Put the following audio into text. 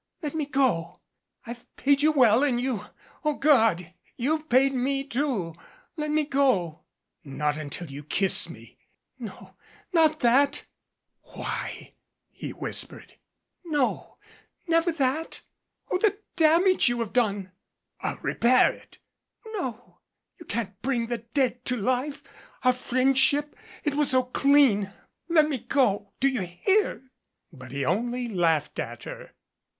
Let me go. I've paid you well and you O God ! you've paid me, too. Let me go." "Not until you kiss me." "No not that." "Why?" he whispered. "No never that ! Oh, the damage you have done !" "I'll repair it " "No. You can't bring the dead to life our 76 friendship ... it was so clean .,, Let me go, do you hear?" But he only laughed at her.